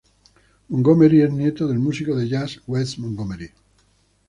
Montgomery es nieto del músico de jazz Wes Montgomery.